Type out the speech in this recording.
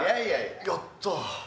やった！